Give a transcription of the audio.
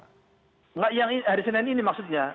tidak yang hari senin ini maksudnya